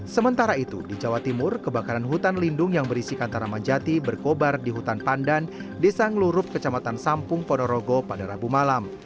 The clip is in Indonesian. sementara itu di jawa timur kebakaran hutan lindung yang berisikan taramanjati berkobar di hutan pandan desa ngelurup kecamatan sampung ponorogo pada rabu malam